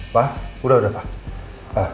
pak udah udah pak